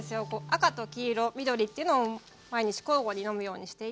赤と黄色緑っていうのを毎日交互に飲むようにしていて。